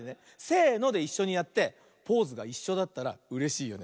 せのでいっしょにやってポーズがいっしょだったらうれしいよね。